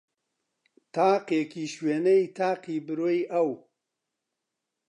تاقێکیش وێنەی تاقی برۆی ئەو